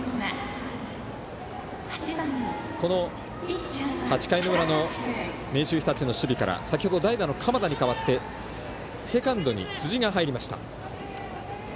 この８回裏の明秀日立の守備から先ほど代打の鎌田に代わってセカンドに辻が入りました。